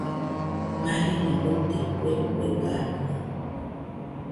Marena fuite kue kueganɨaɨ